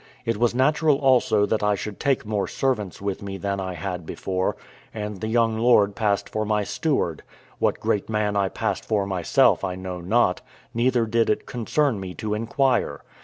It was natural also that I should take more servants with me than I had before; and the young lord passed for my steward; what great man I passed for myself I know not, neither did it concern me to inquire.